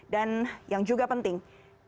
dan yang juga penting